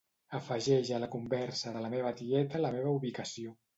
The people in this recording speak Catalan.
Afegeix a la conversa de la meva tieta la meva ubicació.